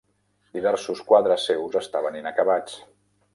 Diversos quadres seus estaven inacabats.